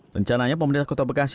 rencananya pembeda kota bekasi